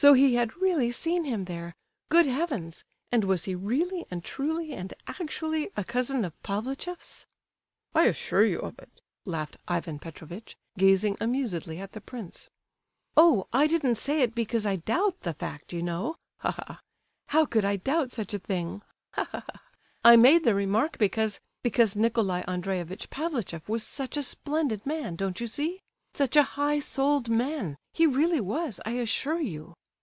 So he had really seen him there! Good heavens! And was he really and truly and actually a cousin of Pavlicheff's? "I assure you of it," laughed Ivan Petrovitch, gazing amusedly at the prince. "Oh! I didn't say it because I doubt the fact, you know. (Ha, ha.) How could I doubt such a thing? (Ha, ha, ha.) I made the remark because—because Nicolai Andreevitch Pavlicheff was such a splendid man, don't you see! Such a high souled man, he really was, I assure you."